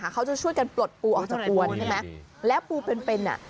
เขาจะช่วยกันปลดปูออกจากอวนและปูเป็นน่ะ